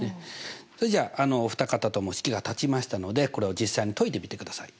それじゃお二方とも式が立ちましたのでこれを実際に解いてみてください。